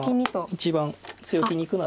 一番強気にいくなら。